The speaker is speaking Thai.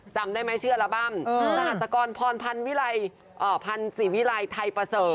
จำได้ไหมชื่อลับบัมศาสตรกรพรภัณฑ์ศรีวิรัยไทยประเสริม